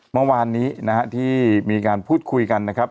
เมื่อวานนี้นะฮะที่มีการพูดคุยกันนะครับ